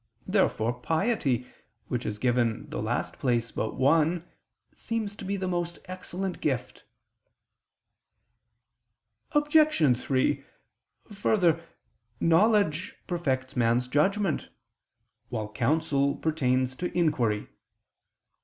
Therefore piety, which is given the last place but one, seems to be the most excellent gift. Obj. 3: Further, knowledge perfects man's judgment, while counsel pertains to inquiry.